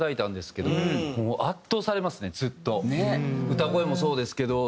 歌声もそうですけど